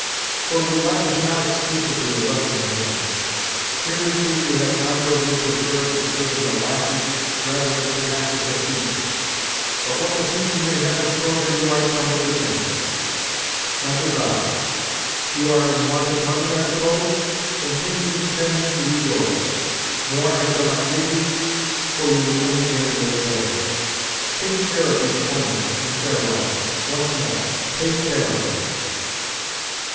For roulette is not exclusively a Russian game. Hitherto, you have honourably preferred to serve as a lacquey rather than to act as a thief; but what the future may have in store for you I tremble to think. Now good bye. You are in want of money, I suppose? Then take these ten louis d'or. More I shall not give you, for you would only gamble it away. Take care of these coins, and farewell. Once more, take care of them."